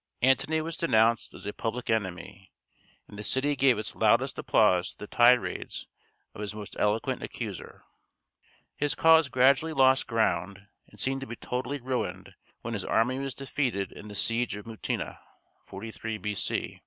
Antony was denounced as a public enemy; and the city gave its loudest applause to the tirades of his most eloquent accuser. His cause gradually lost ground, and seemed to be totally ruined when his army was defeated in the siege of Mutina (43 B.C.).